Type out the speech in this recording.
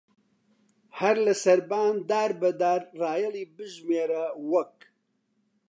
هەر لە سەربان دار بە داری ڕایەڵی بژمێرە وەک